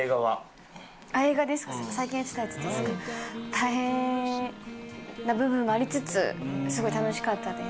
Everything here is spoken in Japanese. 大変な部分もありつつすごい楽しかったです。